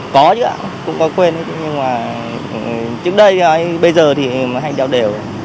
có chứ ạ cũng có quên nhưng mà trước đây bây giờ thì hay đeo đều